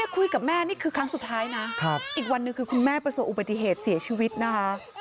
คุยกับแม่นี่คือครั้งสุดท้ายนะอีกวันหนึ่งคือคุณแม่ประสบอุบัติเหตุเสียชีวิตนะคะ